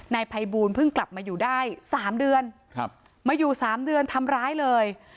นายภัยบูลเพิ่งกลับมาอยู่ได้๓เดือนมาอยู่๓เดือนทำร้ายเลย